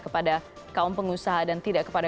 kepada kaum pengusaha dan tidak kepada